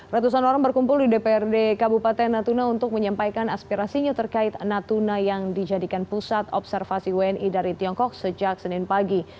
ratusan orang berkumpul di dprd kabupaten natuna untuk menyampaikan aspirasinya terkait natuna yang dijadikan pusat observasi wni dari tiongkok sejak senin pagi